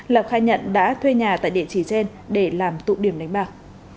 lộc khai nhận đã thuê nhà tại địa chỉ trên để làm tụ điểm đánh bạc